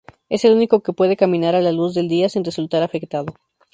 Es el único que puede caminar a la luz del día sin resultar afectado.